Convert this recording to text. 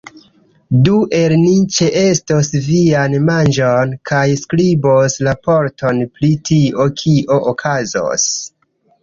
Du el ni ĉeestos vian manĝon kaj skribos raporton pri tio, kio okazos.